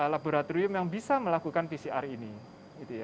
laboratorium yang bisa melakukan pcr ini